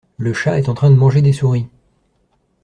Le chat est en train de manger des souris.